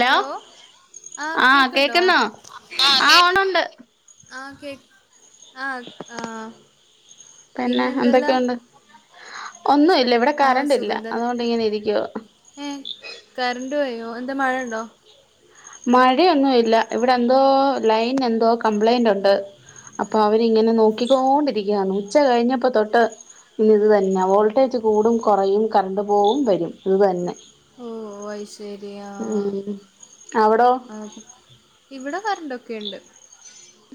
Hello ആ ആഹ് കേക്കണ്ടോ കേക്കുന്നോ ആ ആഹ് കേക്കണ് ഒണ്ടുണ്ട് ആ കേ ആ ആ പിന്നെ എന്തല്ലാ ഒന്നുല്ല ഇവിടെ ആഹ് കറണ്ട് ഇല്ല സുഖം തന്നെ അതുകൊണ്ട് ഇങ്ങനെ ഇരിക്കുവ ഏ കര്ണ്ടോയോ എന്താ മഴ ഉണ്ടോ? മഴയൊന്നും ഇല്ല ഇവിടെ എന്തോ ലൈൻ എന്തോ കംപ്ലൈന്റ് ഉണ്ട് അപ്പൊ അവരിങ്ങനെ നോക്കിക്കോണ്ടിരിക്ക്യാന്ന് ഉച്ച കഴിഞ്ഞപ്പോ തൊട്ട് ഇനി ഇത് തന്നെ വോൾട്ടേജ് കൂടും കുറയും കറണ്ട് പോവും വരും ഇത് തന്നെ ഓഓ ഐശരിയാ ഉം അവിടോ ആ അ ഇവിടെ കരണ്ടൊക്കെണ്ട്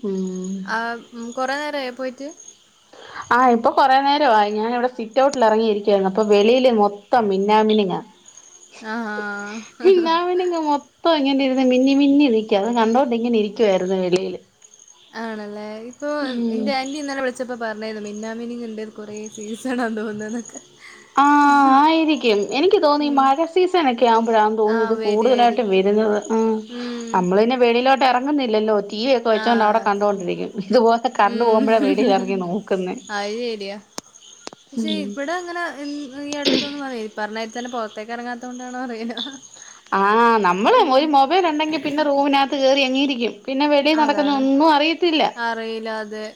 ഉം ആ കൊറെ നേരായോ പോയിട്ട് ഉ [unintelligible] ആഹ് ഇപ്പൊ കുറേ നേരവായി ഞാനിവിടെ സിറ്റൗട്ടിൽ ഇറങ്ങിയിരിക്കായിന്നു അപ്പ വെളിയി മൊത്തം മന്നാമിനിങ്ങ ആ മിന്നാമിനിങ്ങാ മൊത്തം ഇങ്ങന ഇരുന്ന് മിന്നി മിന്നി നിക്ക അ കണ്ടോ അതെങ്ങനെ ഇരിക്കുവായിരുന്നു വെളിയില് ആണല്ലേ ഇപ്പൊ എന്റെ ആന്റി ഇന്നലെ വിളിച്ചപ്പോ പറഞ്ഞ് യിരുന്നു മിന്നാ മിനിങ്ങ്ണ്ട് കുറേ സീസണാണ തോന്നുന്നൊക്കെ ആഹ ആയിരിക്കും എനിക്ക് തോന്നി ഈ ഉം മഴ സീസണൊക്കെ ആവുമ്പോഴാന്ന് ആ തോന്ന്ന്നു ഇത് കൂടുതലായിട്ട് വരായിരിക്കും വരു ഉം ആ മ്മളന്നെ വെളിലോട്ടിറങ്ങുന്നില്ലല്ലോ ടി വി ഒക്കെ വെച്ചോണ്ട് ആഹ് അവിടെ അതെ കണ്ടോണ്ടിരിക്കും ഇതുപോലെ കറണ്ട് ഉം പോകുമ്പോഴേ വെളിയിലറങ്ങി നോക്കുന്നെ അത് ശരിയാ പക്ഷെ ഇവിടെ അങ്ങനെ ഈ അടുത്തൊന്ന് മതി ഇ പറഞ്ഞതിതന്നെ പുറത്തേക്ക് ഇറങ്ങാത്ത കൊണ്ടാണൊന്നറിയില്ല ഹ ഹ ആ നമ്മള് ഒരു മൊബൈലുണ്ടെങ്കി പിന്നെ റൂമിനകത്ത് കേറി അങ്ങീരിക്കും പിന്നെ വെളി നടക്കുന്ന അതാണ് ഒന്നും അറിയത്തില്ല അറിയില്ല അതെ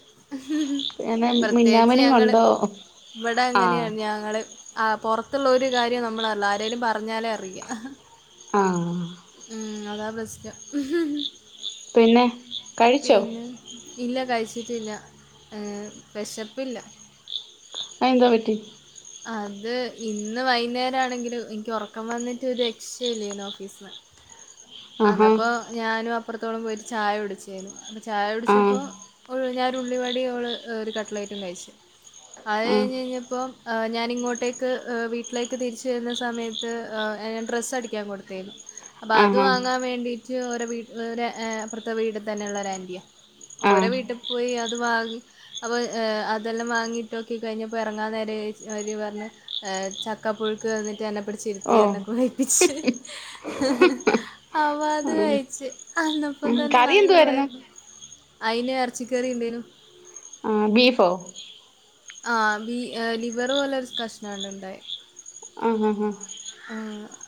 പി മന്നാമ പ്രത്യേകിച്ച് ഞങ്ങള് ഉണ്ടോ? ഇവിടെ അങ്ങനെയാണ് ഞങ്ങള് ആ പുറത്ത് അത്തുള്ളരു കാര്യം നമ്മളല്ല ആരേലും പറഞ്ഞാലേ അറിയാ ആ ഉം അതാ പ്രശ്നം ഹ്‌ ഹ്‌ പിന്നെ കഴിച്ചോ പിന്നെ ഇല്ല കഴിച്ചിട്ടില്ല എ വെശപ്പില്ല അയിന്ദ പറ്റി അത് ഇന്ന് വൈന്നേരാണെങ്കിലും എനിക്ക് ഉറക്കം വന്നിട്ട് ഒരു രക്ഷയ് ല്ലായ്നോഫീസിന് ആഹാ അന്നപ്പോ ഞാനും അപ്പുറത്തോളം പോയിട്ട് ചായ കുടിച്ചായ്നു ചായ ആഹ് കുടിച്ചപ്പോ ഒരൂഞ്ഞ ഉള്ളിവടയും ഓൾ ഒരു കഡ്ലെറ്റും കഴിച്ച് ആഹ് അത്കഴിഞഞ്ഞപ്പോ ഞാനിങ്ങോട്ടേക്ക് വീട്ടിലേക്ക് തിരിച്ചു വരുന്ന സമയത്ത് ഞാ ഡ്രസ്സ് അടിക്കാൻ കൊടുത്താരുന്നു അപ്പൊ അത് ആഹാ വാങ്ങാൻ വേണ്ടീട്ട് ഒരാ വീ ഒര ഒരപ്രത്ത വീട് തന്നെള്ള ഒ ആന്റിയ ഓരോ ആഹ് വീട്ടിൽ പോയി അത് വാങ്ങി അപ അതെല്ലാം വാങ്ങിട്ടോക്കി കഴിഞ്ഞപ്പോ ഇറങ്ങാൻ നേര ഓര് പാർഞ് ചക്ക പുഴുക്ക് തന്നിട്ട് എന്നെ ഓ പിടിച്ചിരുത്തി എന്നെ കഴിപ്പിച്ച് ഹ് ഹ് അവത് കഴിച്ചു അന്നപ്പം ഉം തന്നെ കറി എന്തുവായിരുന്നു നല്ലവായിരുന്നു അയിന് ഇറച്ചിക്കറി ഇണ്ടേനും ബീഫോ ആ.. ലിവർ പോലൊരു കഷ്ണമാണുണ്ടായെ ആ.... ഹ.. ആ.. ഉം..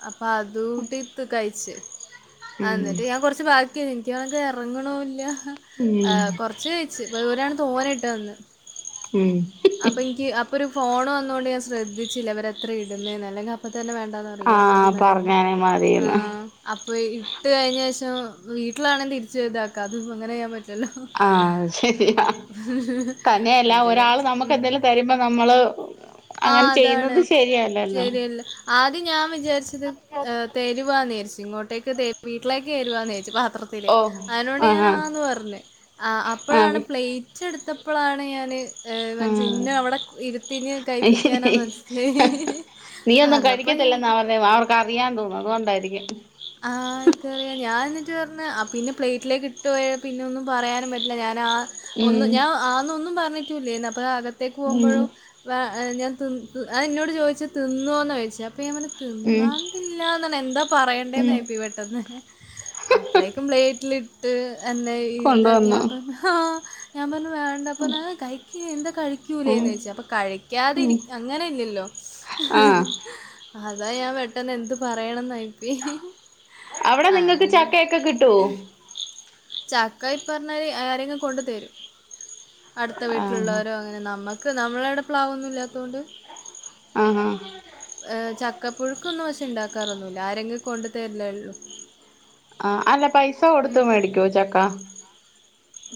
അപ്പൊ തു കൂട്ടിയിട്ട് കഴച്ചു. ആ... ഉം എന്നിട്ടുഞാൻ കൊറച്ചു ബാക്കിയ എനിക്കങ്ങോട്ടിറങ്ങണുമില്ല. ഉം കൊറച്ചുകഴിച്ചു. ഇവരാണ്തോന ട്ടുതന്നത് ഉം അപ്പോം എനിക്ക്, അപ്പോരു ഫോണു വന്നതുകൊണ്ടു, ഞാൻ ശ്രദ്ധിച്ചില്ല. അവരെത്രയാ ഇടുന്നേന്നല്ലെങ്കിൽ അപ്പ ത തന്നെ വേണ്ടാന്നു പറഞ്ഞേനേ, മതി.. ആഹ് മതീന്ന് പറഞ്ഞാനേ ആ.. മതിന്ന് അപ്പ വേ ഇട്ടുകഴിഞ്ഞ ശേഷം വീട്ടിലാണെങ്കി തിരിച്ചു കൊണ്ടെവയ്ക്കാം അതു അങ്ങനെചെയ്യാൻ പറ്റുവോ ആ.. ശരിയാ, എന്നിട്ട് കഴിച്ച്. ഉം. തന്നെയല്ലാഒരാളുനമുക്കെന്തേലും തരുമ്പോ നമ്മള് ആ അങ്ങനെ അതാണ്. ചെയ്യുന്നത് ശരിയല്ലല്ലോ ശരിയല്ല, ആദ്യം ഞാൻ വിചാരിച്ചത് തരുവാന്ന് തിരിച്ചിങ്ങോട്ടേക്ക് വീട്ടിലേക്കുവരുവോന്ന് ചോദിച്ചപ്പോം പത്തി ഓ അതിനോടു ഞാനാ ആഹാ ആന്ന പറഞ്ഞു. അ, അപ്പോ ളാണ് ആഹ് പ്ലേറ്റ്. തിരിച്ചെടുത്തപ്പോളാണ് ഞാന്‌ ഏ.. മനസി ആഹ് ഇനെയവിടെ ഇരുത്തിയിട്ട് കഴി കഴിപ്പിക്കാനാന്ന് മനസിലായി നീയൊന്നും അന്നപ്പ ഞാ കഴിക്കത്തില്ലെന്നാ പറഞ്ഞെ അവർക്കറിയാൻ തോന്നുന്നു അതുകൊണ്ടായിരിക്കും ആ... എനിക്കറിയാം, ഞാനെന്നിട്ടു പറഞ്ഞു പിന്നെപ്ലേറ്റിലേക്കിട്ടു പോയാൽ പിന്നെയൊന്നും പറയാനുംപറ്റില്ല. ഞാനാ ഉം ഒന്നും ഞാൻ ആന്നൊന്നും പറഞ്ഞിട്ടില്ല. അപ്പളാ അകത്തേക്കു ഉം പോകുമ്പോഴും, അ ഞാൻ.. തി.. അ.. എന്നോടു ചോദിച്ചത് തിന്നോന്ന് ചോദിച്ചത്, അപ്പോഞാൻ പറഞ്ഞു ഉം തിന്നാണ്ടില്ലഎന്നാണ് എന്താ ഉം പറയണ്ടേന്നായിപ്പോയി പെട്ടെന്ന്. അപ്പളേക്കും പ്ളേ പ്ലേറ്റ് കൊണ്ടുവന്നോ എന്നായിതൊക്കെയാകുമ്പോ, ഹ.. ഹ ഞാൻ പറഞ്ഞു വേണ്ടപ്പെന്നാ കഴിക്ക് എന്താ ഉം കഴിക്കൂലേന്നു ചോദിച്ചു. അപ്പ ഉം കഴിക്കാതെയിരിയങ്ങനെ യില്ലല്ലോ ആഹ് അതാഞാൻ പെട്ടെന്നെന്തുപറയണമെന്നായിപ്പോയി. അവിടെ നിങ്ങൾക്കുചക്കയൊക്കെ കിട്ടുവോ? ചക്കയീപറഞ്ഞാല് ആരെങ്കിലും കൊണ്ടെ തരും. അടുത്ത ആഹ് വീട്ടിലുള്ളവരോയങ്ങനെ നമ്മക്ക് നമ്മടെയിവിടെ പ്ലാവൊന്നുമില്ലാത്തതു കൊണ്ട് അ.. ഹാ ചക്കപുഴുക്കൊന്നും പക്ഷേ യുണ്ടാക്കാറൊന്നുമില്ല. ആരെങ്കിലും കൊണ്ടെ തരിന്നേയല്ലേയുള്ളൂ ആ, അല്ലപൈസാ കൊടുത്തുമേടിക്കുവോ ചക്കാ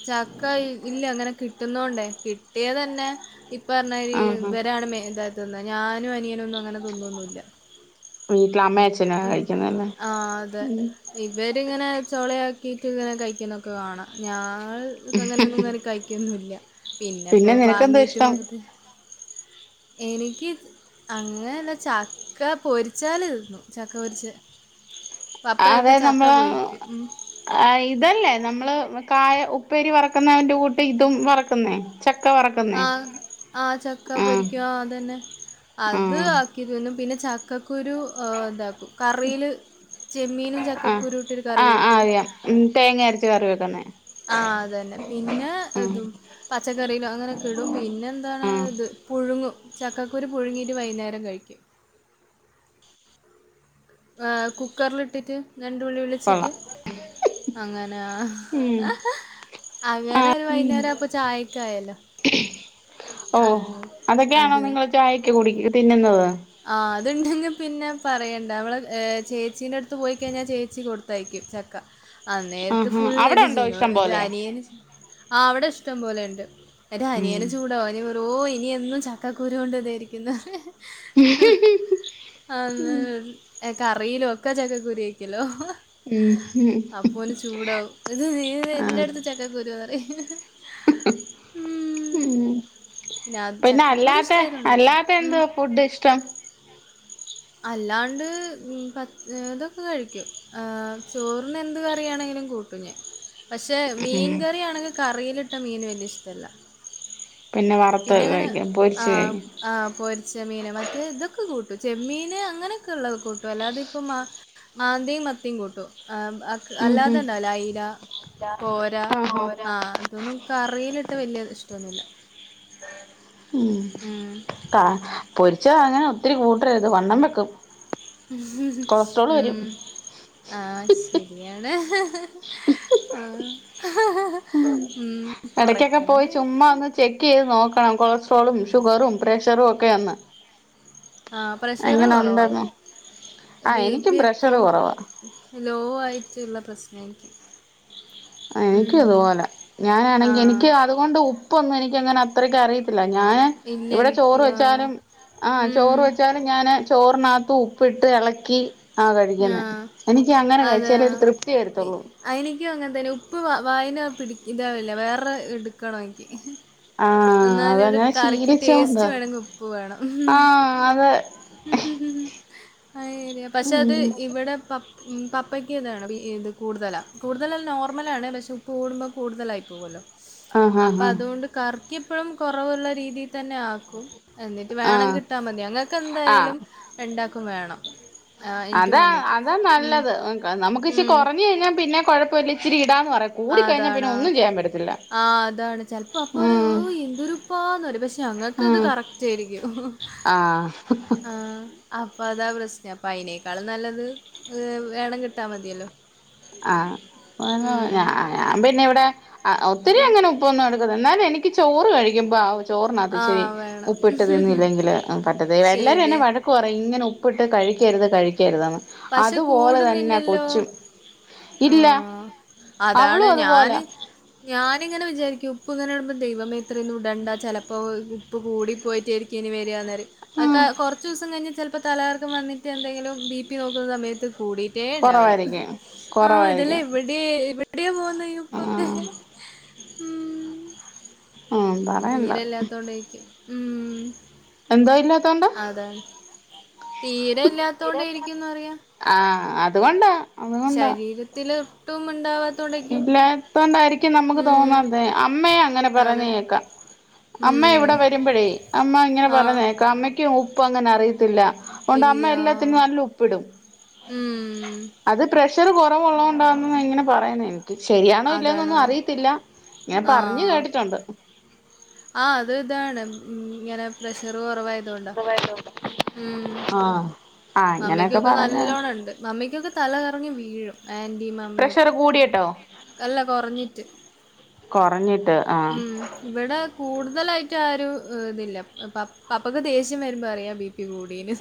ചക്ക, ഇല്ലയങ്ങനെ കിട്ടുന്നകൊണ്ടേ, കിട്ടിയ തന്നെ ഈപറഞ്ഞാ ആഹ് ഇവരാണ് മെയിനായി തിന്നെ. ഞാനും അ നിയനുമൊന്നു മങ്ങനെതിന്നൊന്നുമില്ല ഉം ഉം.. ആ, അതെ ഉം ഇവരിങ്ങനെ ചോളയാക്കിയിട്ടിങ്ങനെ കഴിക്കുന്നതൊക്കെ കാണാം. ഞങ്ങൾ അങ്ങനെയൊന്നും ഇങ്ങനെ കഴിക്കൊന്നു മില്ല പിന്നെയിപ്പോ പിന്നെ നിനക്കെന്താ വാങ്ങീട്ടു ഇഷ്ടം വെറുതെ എനിക്കങ്ങനെ ചക്ക പൊരിച്ചാല് തിന്നു. ചക്ക പൊരിച്ച് പപ്പ അതെ ചിലപ്പോൾ ചക്ക നമ്മളു പൊരിക്കും ഉം. അ.. ഇതല്ലേ നമ്മള്കായ ഉപ്പേരി വറക്കുന്നതിന്റെ കൂട്ടിതും വറക്കുന്നേ ചക്ക ആ, വറക്കുന്നേ ആചക്ക ആഹ് പൊരിക്കുവാ, അതന്നെ അത് ആഹ് ആക്കി തിന്നും പിന്നെ ച ചക്കക്കുരു ആ എന്താക്കും കറിയില്ചെമ്മീനും ആഹ് ചക്കക്കുരുവുമിട്ടൊരുകറി ആഹ് വെക്കും. അറിയാം ഉം തേങ്ങ അരച്ച് കറി വെക്കുന്നേ ആ അതന്നെ പിന്നെ ഉം പച്ചക്കറിയിലോ അങ്ങനെയൊക്കെ ഇപ്പം ഉം പിന്നെയെന്താണിത് പുഴു പുഴുങ്ങും. ചക്കക്കുരു പുഴുങ്ങീട്ടുവൈകുന്നേരം കഴിക്കും. ആ... കുക്കറിലിട്ടിട്ട് രണ്ടു വിളി വിളിച്ചിട്ട്. കൊള്ളാം അങ്ങനെ ആ ഉം അങ്ങനെയൊരു ഉം വൈകുന്നേരമപ്പൊ ചായയൊക്കയായല്ലോ ഓ, അതൊക്കെയാണോ നിങ്ങളുചായക്കു കുടി, തിന്നുന്നത്. ആ അതുണ്ടെങ്കി പിന്നെ പറയണ്ട അവള് ചേച്ചീ അടുത്ത് പോയിക്കഴിഞ്ഞാൽ ചേച്ചി കൊടുത്തയക്കും ചക്ക ആ നേരത്തെ ആഹാ ഫുള്ള് അവിടെ എൻ്റെ ഉണ്ടോ ജിനോ ഇഷ്ടം പോലെ അനിയന് ആ അവിടെ ഇഷ്ടം പോലെണ്ട് അ ഉം അനിയനെ ചൂടോ ഓനി വെറോ ഇനി എന്നും ചക്കക്കുരു കൊണ്ട് ഇതായിരിക്കുന്നു ഉം കറിയിലോ ഒക്കെ ചക്ക കുരുയാക്കലോ ഉം ഉം അപ്പോന് ചൂടാവും ഇത് നീ ആഹ് എല്ലായിടത്തും ചക്കക്കുരുന്നറിയും ഉം അത് പിന്നെ ചക്കക്കുരു അല്ലാത്ത ഇഷ്ടായാലും കുഴപ്പല്ല. അല്ലാത്ത ഉം. എന്തോ ഫുഡ് ഇഷ്ടം അല്ലാണ്ട് പ ഇതൊക്കെ കഴിക്കും ചോറിന് എന്ത് കറിയാണെങ്കി കൂട്ടു ഞാ പക്ഷെ ഉം മീൻ കറി ആണെങ്കിൽ കറിയിലിട്ട മീന് വലിയ ഇഷ്ടല്ല വറുത്ത് പിന്നെ അങ്ങനെ കഴിക്കും പൊരിച്ച് ആഹ് കഴിക്കും ആ പൊരിച്ച മീന് മ കൂട്ടും ചെമ്മീന് അങ്ങനെയൊക്കെ ഉള്ളത് കൂട്ടും അല്ലാത ഇപ്പൊ മാ മാന്തിയും മത്തിയും കൂട്ടു ആ അ ഉം അല്ലാതെ ഉം ഉണ്ടാവല അയില കോര ആഹ് ആ അതൊന്നും കറിയിലിട്ട് വലിയ ഇഷ്ടൊന്നുമില്ല ഉം കാ പൊരിച്ചാ അങ്ങനെ ഒത്തിരി കൂട്ടരുത് വണ്ണം വെക്കും കൊളസ്ട്രോൾ ഉം വരും ആ ശരിയാണ് ആ ഉം ഇടയ്ക്കൊക്കെ പോയി കൊറയ്ക്കണംന്ന് ചുമ്മാ ഒന്ന് ചെക്ക് ചെയ്ത് നോക്കണം കൊളസ്ട്രോളും ഷുഗറും പ്രഷറും ഒക്കെ അന്ന് ആ പ്രഷർ കുറവാ ആ ബി എനിക്കും പി ഇപ്പൊ പ്രഷർ കുറവാ ലോ ആയിട്ടുള്ള പ്രശ്ന എനിക്ക് എനിക്ക ഉം. ഇതുപോലെ ആ. ഞാനാണെങ്കി എനിക്ക് അതുകൊണ്ട് ഉപ്പൊന്നും എനിക്കങ്ങനെ അത്രക്ക് അറിയത്തില്ല ല്ല ഞാൻ ഇല്ല ഇവിടെ ചോറ് എനിക്ക് ആ. വെച്ചാലും ആ ചോറ് ഉം. വെച്ചാലും ഞാൻ ചോറിനകത്ത് ഉപ്പിട്ട് ഇളക്കി ആ കഴിക്കുന്ന ആഹ്. എനിക്ക് അങ്ങനെ അതാ കഴിച്ചാല ഒരു തൃപ്തി വരുത്തുള്ളൂ തിന് ഉപ്പ് വാ വായിന് പിടി ഇതാവില്ല വേറെ എടുക്കണ എനിക്ക് ആ എന്നാല് ഉള്ളൂ അതങ്ങനെ കറക്ക് ടേസ്റ്റ് ശീലിച്ചോണ്ടാ വേണമെങ്കിൽ ഉപ്പ് വേണം ഉം ആ അത് ഉം ഉം ഉം അരി പക്ഷെ അത് ഉം ഇവിടെ പ പ്പ പപ്പയ്ക്ക് ഇതാണ് ഇത് കൂടുതലാണ് കൂടുതലല്ല നോർമലാണ് പക്ഷേ ഉപ്പ് കൂടുമ്പോൾ കൂടുതലായി പോവുമല്ലോ ആ അപ്പം ആ അതുകൊണ്ട് കറിക്കിപ്പോഴും കുറവുള്ള രീതിയിൽ തന്നെ ആക്കും എന്നിട്ട് ആ വേണം കിട്ടാ മതി അങ്ങക്ക ആ ആ എന്തായാലും രണ്ടാക്കും വേണം ആ, എനിക്കും അതാ മമ്മിക്കും. അതാ ഉം. നല്ലത് നമുക്ക് ഇച്ചി ഉം. കുറഞ്ഞ് കഴിഞ്ഞാൽ പിന്നെ കുഴപ്പമില്ല ഇച്ചിരി ഇടാ ആ, കൂടി കഴിഞ്ഞാ പിന്നെ അതാണ്. ഒന്നും ചെയ്യാൻ പറ്റത്തി ആ അതാണ് ചെലപ്പോ അപ്പൊ ഒരു എന്തൊരുപ്പാന്ന പറ പക്ഷെ അങ്ങക്ക് ഇത് കറക്റ്റ് ആയിരിക്കും ആ ആ അ അപ്പൊ അതാ പ്രശ്നം അപ്പൊ അതിനേക്കാളും നല്ലത് വേണം കിട്ടാൽ മതിയല്ലോ ആ ഉം ഞാൻ പിന്നെ ഇവിടെ ആ ഒത്തിരി അങ്ങനെ ഉപ്പൊന്നും എടുക്കുന്നത് എന്നാല എനിക്ക് ചോറ് കഴിക്കുമ്പോ ആവശ്യം ചോറിനകത്ത് ഇച്ചിരി ആഹ് വേണം ഉപ്പ് ഇട്ട് തിന്നില്ലെങ്കിൽ പറ്റത് എല്ലാവരും എന്നെ ശരിയാ വഴക്ക് പറയും ഇങ്ങനെ ഉ പ്പിട്ട് കഴിക്കരുത് കഴിക്കരുതാണ് പക്ഷെ കൂടുന്നില്ലല്ലോ ആ ഇല്ല അതാണ് അവളും അതുപോലെ ഞാന് ഞാനിങ്ങനെ വിചാരിക്കും ഉപ്പ് ഇങ്ങനെ ഇടുമ്പോൾ ദൈവമേ ഇത്ര ഒന്നും ഇടണ്ട ചിലപ്പോൾ പ് കൂടി പോയിട്ടരിക്കും ഇനി വരികയാ അത് ഉം കുറച്ച് ദിവസം കഴിഞ്ഞൽ ചി പ്പ തലകർക്കം വന്നിട്ട് എന്തെങ്കിലും ബി പി നോക്കുന്ന സമയത്ത് കൂടിട്ടേ ഉണ്ടാവല കൊറവായിരിക്കും ആ ഇതല്ല കൊറവായിരിക്കും ഇവിടെ ഇവിടെ പോ പ്പൊക്ക ആഹ് ഉം. ഉം പറയണ്ട തീരെല്ലാത്തോണ്ടേരിക്കും ഉം. എന്ത ഇല്ല അതാണ് തീരെ ഇല്ലാത്തോണ്ടെരിക്കുംന്ന് പറയ. ആ അതുകൊണ്ടാ. ശരീരത്തില് ഇല്ലാത്തൊണ്ടായിരിക്കും നമുക്ക് ഉം തോന്നുന്നത് അമ്മേ അങ്ങനെ പറയുന്ന അതെ കേക്കാ അമ്മ ഉം ഇവിടെ വരുമ്പഴേ അമ്മ ങ്ങനെ ആ പറയ്ന്ന കേക്ക അമ്മയ്ക്കും ഉപ്പ് അങ്ങനെ അറിയത്തില്ല. ഒണ്ട് ഇല്ല അമ്മ എല്ലത്തിനും നല്ല ഉപ്പിടും. ഉം അത് പ്രശ് ഷർ കൊറവുള്ളോണ്ടാന്നോ ഇങ്ങനെ പറയുന്നെ ശരിയാണോ ഇല്ലേ അതാണ് ന്നൊന്നും അറിയത്തില്ല ഇങ്ങനെ ആ പറഞ്ഞു കേട്ടിട്ടുണ്ട്. ആ അത് ഇതാണ് ങ്ങനെ പ്രഷർ കൊറവായതോണ്ടാ. ഉം ആഹ് ആഹ് ഇങ്ങനെയൊക്കെ മമ്മിക്കൊക്കെ പറഞ്ഞ് നല്ലോണം ണ്ട് മമ്മിക്കൊക്കെ തല കറങ്ങി വീഴും. ആന്റി മമ്മി പ്രഷർ ഒക്കെ കൂടിയിട്ടോ അല്ല കൊറഞ്ഞിട്ട്. കൊറഞ്ഞിട്ട് ആഹ് ഉം ഇവിടെ കൂടുതലായിട്ട് ആ ഒരു ഇതില്ല പപ്പക്ക് ദേഷ്യം വരുമ്പോ അറിയാം ബി പി കൂടീന്ന്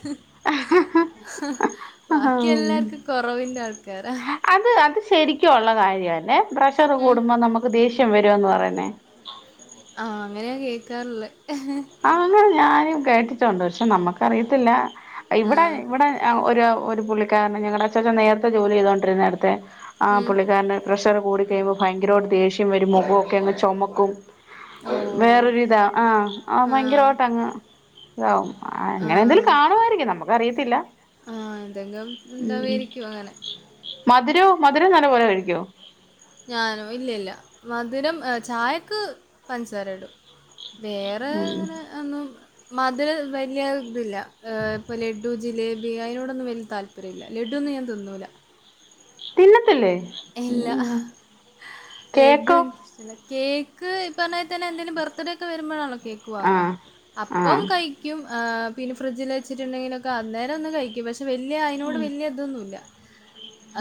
ബാക്കി എല്ലാർക്കും കൊറവിന്റെ ആൾക്കാരാ. ശരിക്കുംള്ള കാര്യംല്ലേ. പ്രഷർ ഉം. കൂടുമ്പോ നമുക്ക് ദേഷ്യം വരുന്ന് പറയുന്നെ. ആ അങ്ങനെയാ കേക്കാറുള്ളേ. ആ അങ്ങനെ ഞാനും കേട്ടിട്ടുണ്ട്. പക്ഷെ നമ്മുക്കറിയത്തില്ല. ഇവിടെ ആഹ് ഇവിടെ ഒരു പുള്ളിക്കാരന ഞങ്ങളുടെ അച്ചച്ചൻ നേരത്തെ ജോലി ചെയ്തോണ്ടിരുന്നട്ത്തെ ആ ഉം. പുള്ളിക്കാരന് പ്രഷർ കൂടി കഴിയുമ്പോ ഭയങ്കരായിട്ട് ദേഷ്യം വരും മൊഖൊക്കെ അങ്ങ് ചൊമക്കും. ഓഹ്. വേറൊരു ഇതാ ആ ആ ആഹ്. ഭയങ്കരായിട്ടങ്ങ് ഇതാവും. ആ എങ്ങനെ എന്തേലും ആഹ്. കാണുമായിരിക്കും നമുക്ക് അറിയത്തില്ല. ആ എന്തെങ്കും ഉണ്ടാവേയിരിക്കും അങ്ങനെ മധുരവും മധുരം നല്ല പോലെ കഴിക്കോ? ഞാനോ ഇല്ല ഇല്ല മധുരം ചായക്ക് പൻസാര ഇടും. വേറെ ഉം അങ്ങനെ ഒന്നും മധുരം വലിയ ഇതില്ല ഇപ്പൊ ലഡു ജിലേബി അതിനോടൊന്നും വെല്യ താൽപ ര്യല്ല ലഡുന്നും ഞാൻ തിന്നൂല. തിന്നത്തില്ലേ? ഇല്ല ഉം കേക്കോ ലഡ്ഡും കേക്ക് ഈ പറഞമായ് തന്നെ എന്തെലും ബർത്ത്ഡേ ഒക്കെ വരുമ്പഴാണല്ലോ കേക്ക് വാങ്ങ ആഹ് അപ്പം ആഹ് കയ്ക്കും. പിന്നെ ഫ്രിഡ്ജിൽ വച്ചിട്ടുണ്ടെങ്കിലൊക്കെ അന്നേരം ഒന്ന് കഴിക്കും. പക്ഷെ വല്യ അതിനോട് വല്യ ഇതൊന്നുല്ല.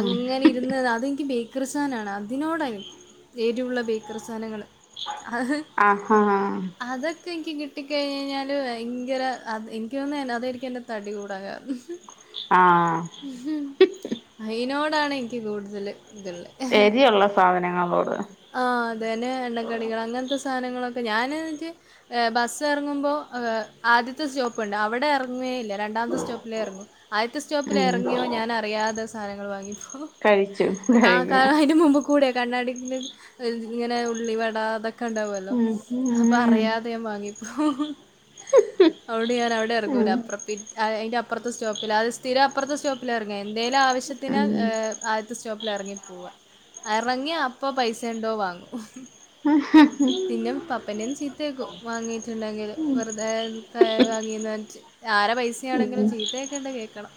അങ്ങനെ ഇരുന്ന് അത് ബേക്കറി സാനാണ് അതിനോടനിക്ക് ഏരുള്ള ബേക്കറി സാധനങ്ങൾ ആഹാ. ത് എനിക്ക് കിട്ടിക്കഴിഞ്ഞാല് ഭയങ്കര എനിക്ക് തോന്ന അതായിരിക്കും എന്റെ തടി കൂടാൻ കാരണം. ആഹ് അയിനോടാണ് എനിക്ക് കൂടുതല് എരിയുള്ള സാധനങ്ങളോട്. ആ അതേ എണ്ണക്കടികൾ അങ്ങനത്തെ സാധനങ്ങളൊക്കെ ഞാനിട്ട് ബസ് എറങ്ങുമ്പോ ആദ്യത്തെ സ്റ്റോപ്പ്ണ്ട് അവിടെ എറങേല്ല. രണ്ടാമത്തെ സ്റ്റോപ്പിലേ എറങ്ങു ആദ്യത്തെ സ്റ്റോപ്പിൽ ഉം എറങ്ങിയോ ഞാനറിയാതെ സധനങ്ങൾ വാങ്ങിപ്പോ കഴിച്ചു ആ കട കഴിക്കും അയിന്റെ മുമ്പ് കൂടെ കണ്ണാടി ഇങ്ങനെ ഉള്ളി വട അതൊക്കെ കണ്ടാവല്ലോ ഉം അപ്പൊ ഉം അറിയാതെ ഞാൻ വാങ്ങിപ്പോവും. അതോണ്ട് ഞൻ അവിടെ എറങ്ങൂല ഉം അപ്ര അയിന്റെ അപ്ര അപ്രത്തെ സ്റ്റോപ്പില് അത് സ്ഥിരം അപ്രത്തെ സ്റ്റോപ്പിലാ എറങ്ങ എന്തേലും ആവശ്യത്തിന് ഉം ഏ ആദ്യത്തെ സ്റ്റോപ്പി എറങ്ങി പോവാ എറങ്ങി അപ്പ പൈസണ്ടോ വാങ്ങും. പിന്നെ പപ്പന്റെന്ന് ചീത്തേക്കും വാങ്ങീട്ടുണ്ടെങ്കില് വെറുതെ വാങ്ങിന്ന്റഞ്ട്ട് ആരെ ഉം പൈസാണെങ്കിലും ഉം ചീത്തേക്കണ്ടത് കേക്കണം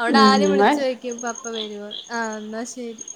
അവിടെ ആദ്യം വിളിച്ചു എന്നാ ചോദിക്കും പപ്പ വരുവോ ആ എന്നാ ശരി